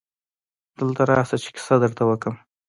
دلته راسه چي کیسه درته وکم.